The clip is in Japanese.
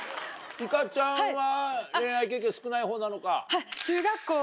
いかちゃんは恋愛経験少ないほうなのか？